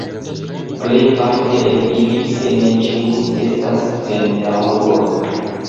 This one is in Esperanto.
Plejparte el ili, se ne ĉiuj, estas Centaŭroj.